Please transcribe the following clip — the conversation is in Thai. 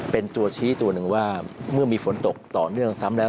เป็นตัวชี้ตัวหนึ่งว่าเมื่อมีฝนตกต่อเนื่องซ้ำแล้ว